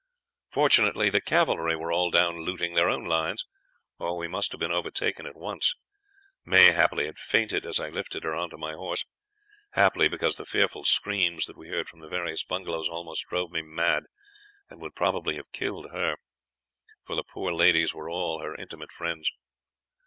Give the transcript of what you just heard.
"Fortunately, the cavalry were all down looting their own lines, or we must have been overtaken at once. May happily had fainted as I lifted her on to my horse happily, because the fearful screams that we heard from the various bungalows almost drove me mad, and would probably have killed her, for the poor ladies were all her intimate friends.